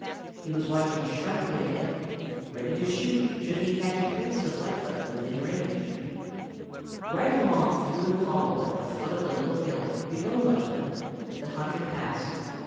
He was watching sharply ahead, ready to shoot should he catch a glimpse of Lightfoot within range. Right along through the hollow at the foot of the little hill below Lightfoot the hunter passed.